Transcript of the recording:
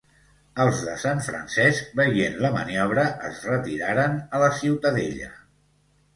Els de Sant Francesc, veient la maniobra es retiraren a la ciutadella.